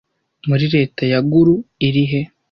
Muri Leta ya Guru irihe